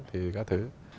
thì các thứ